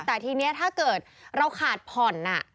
แต่ทีนี้ถ้าเกิดเราขาดผ่อน